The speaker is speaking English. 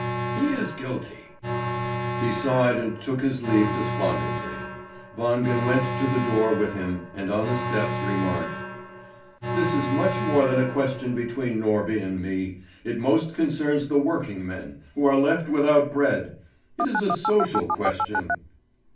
He is guilty!" He sighed and took his leave despondently. Wangen went to the door with him, and on the steps remarked: "This is much more than a question between Norby and me. It most concerns the working men, who are left without bread. It is a social question."